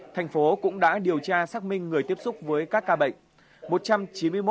thành phố cũng đã điều tra xác minh người tiếp xúc với các ca bệnh